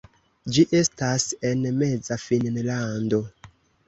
Ĝi estas en Meza Finnlando.